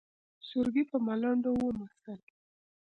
سرګي په ملنډو وموسل.